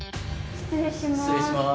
失礼します。